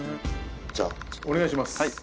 じゃあお願いします